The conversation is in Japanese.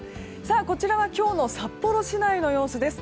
こちらは今日の札幌市内の様子です。